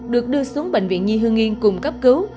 được đưa xuống bệnh viện nhi hương yên cung cấp cứu